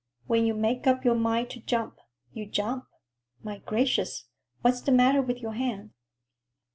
When you make up your mind to jump, you jump! My gracious, what's the matter with your hand?"